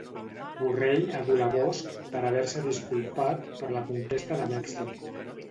Borrell adula Bosch per haver-se disculpat per la conquesta de Mèxic.